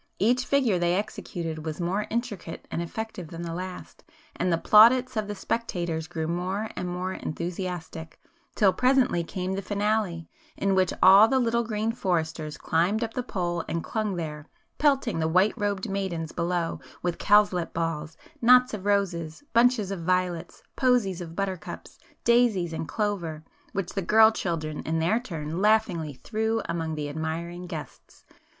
Each figure they executed was more intricate and effective than the last, and the plaudits of the spectators grew more and more enthusiastic, till presently came the finale, in which all the little green foresters climbed up the pole and clung there, pelting the white robed maidens below with cowslip balls, knots of roses, bunches of violets, posies of buttercups, daisies and clover, which the girl children in their turn laughingly threw among the admiring guests.